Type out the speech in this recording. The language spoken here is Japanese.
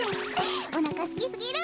おなかすきすぎる。